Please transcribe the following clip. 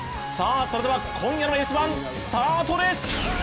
さあそれでは今夜の「Ｓ☆１」スタートです！